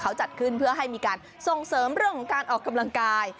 เขาจัดขึ้นเพื่อให้มีการส่งเสริมเรื่องของการออกกำลังกาย